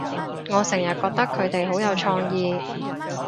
我成日覺得佢哋好有創意